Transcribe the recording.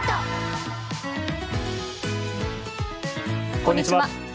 こんにちは。